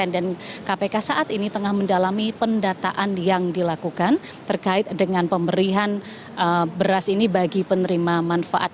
dan kpk saat ini tengah mendalami pendataan yang dilakukan terkait dengan pemberian beras ini bagi penerima manfaat